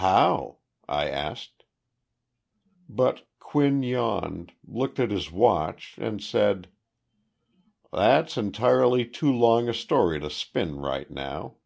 "How?" I asked. But Quinn yawned, looked at his watch, and said: "That's entirely too long a story to spin right now.